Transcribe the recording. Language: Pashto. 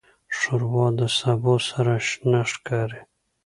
ښوروا د سبو سره شنه ښکاري.